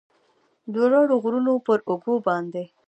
د لوړو غرونو پراوږو باندې